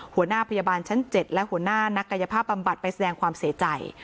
หัวหน้าพยาบาลชั้น๗และหัวหน้านักกายภาพบำบัดไปแสดงความเสียใจ